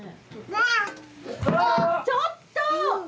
ちょっと！